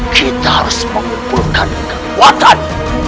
kita harus mengumpulkan kekuatan